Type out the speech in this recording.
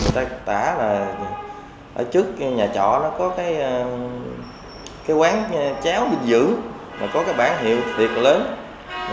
tại tả là ở trước nhà chọ nó có cái quán cháo bình dưỡng mà có cái bản hiệu tuyệt lớn